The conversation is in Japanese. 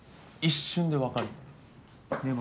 一瞬で分かるの。